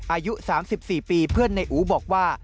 อายุ๓๔ปีเพื่อนในอู๋บอกว่า